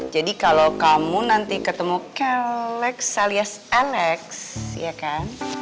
jadi kalau kamu nanti ketemu keleks alias elex iya kan